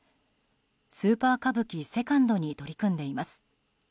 「スーパー歌舞伎セカンド」に取り組んでいます。